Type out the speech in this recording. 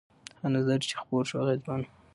هغه نظر چې خپور شو اغېزمن و.